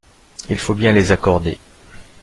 Il faut bien les accorder.